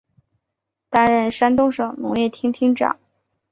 担任山东省农业厅厅长。